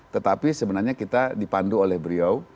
tetapi sebenarnya kita dipandu oleh beliau